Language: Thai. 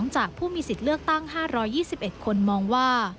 จากผู้มีสิทธิ์เลือกตั้ง๕๒๑คนมองว่า